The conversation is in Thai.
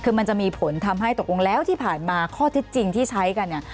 คือมันจะมีผลทำให้ตกลงแล้วที่ผ่านมาข้อเท็จจริงที่ใช้กันเนี่ย